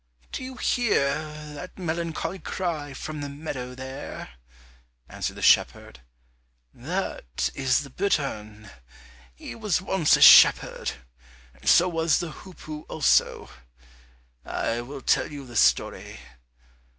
"Do you hear that melancholy cry from the meadow there?" answered the shepherd, "that is the bittern; he was once a shepherd, and so was the hoopoe also,—I will tell you the story.